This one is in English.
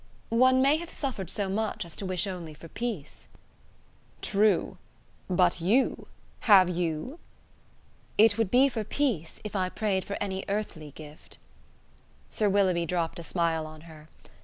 "One may have suffered so much as to wish only for peace." "True: but you! have you?" "It would be for peace, if I prayed for any earthly gift." Sir Willoughby dropped a smile on her.